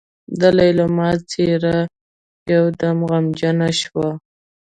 د ليلما څېره يودم غمجنه شوه.